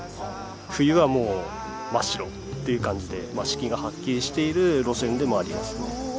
冬はもう真っ白っていう感じで四季がはっきりしている路線でもありますね。